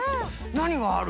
なにがある？